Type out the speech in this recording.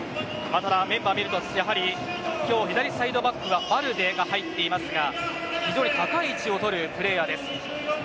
ただメンバーを見ると、やはり今日、左サイドバックにはバルデが入っていますが非常に高い位置を取るプレーヤーです。